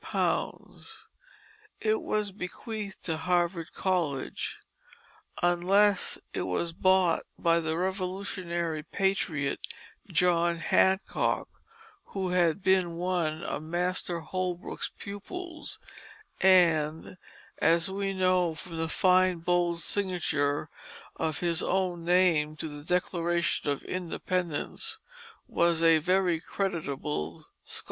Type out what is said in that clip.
It was bequeathed to Harvard College unless it was bought by the Revolutionary patriot, John Hancock, who had been one of Master Holbrook's pupils and, as we know from the fine bold signature of his own name to the Declaration of Independence, was a very creditable scholar.